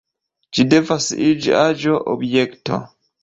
Ĝi devas iĝi aĵo, objekto.